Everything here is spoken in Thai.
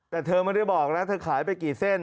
แต่เธอไม่ได้บอกนะเธอขายไปกี่เส้น